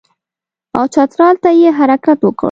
او چترال ته یې حرکت وکړ.